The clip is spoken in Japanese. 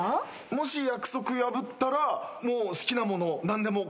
もし約束破ったらもう好きなものを何でも買ってあげます。